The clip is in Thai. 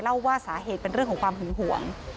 ว่าสาเหตุเป็นเรื่องของความหึงห่วง